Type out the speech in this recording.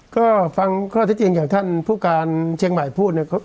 ก็ฟังข้อที่จริงจากท่านผู้การเชียงใหม่พูดเนี่ย